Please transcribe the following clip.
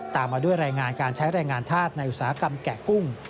มาด้วยรายงานการใช้แรงงานธาตุในอุตสาหกรรมแกะกุ้ง